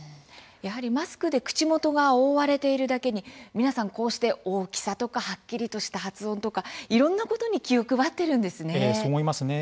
やはりマスクで口元が覆われているだけに皆さんこうして大きさとかはっきりとした発音とかいろんなことに気を配っているんですね。